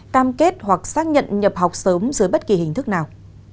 cam kết hoặc xác nhận nhập học sớm dưới bất kỳ hình thức nào